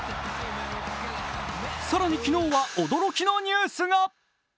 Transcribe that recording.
更に昨日は驚きのニュースが。